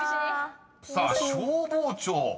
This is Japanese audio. ［さあ消防庁］